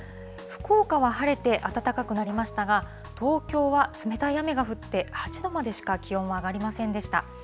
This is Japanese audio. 福岡は晴れて暖かくなりましたが、東京は冷たい雨が降って、８度までしか気温も上がりませんでした。